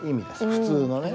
普通のね。